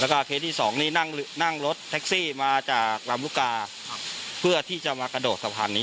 แล้วก็เคล็ดที่สองนี่นั่งนั่งรถมาจากครับเพื่อที่จะมากระโดดสะพานนี้